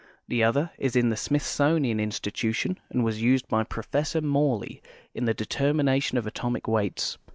The otlier is in the Smithsonian Institution and was used Ijy I'rofe.ssor Morley in tlie determination of atomic weights.